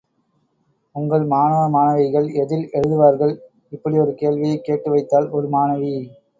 உங்கள் மாணவ மாணவிகள் எதில் எழுதுவார்கள்? இப்படியொரு கேள்வியைக் கேட்டு வைத்தாள், ஒரு மாணவி.